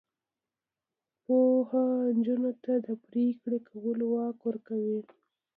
پوهه نجونو ته د پریکړې کولو واک ورکوي.